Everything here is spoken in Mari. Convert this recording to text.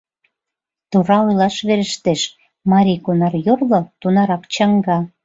Тура ойлаш верештеш: марий кунар йорло, тунарак чаҥга.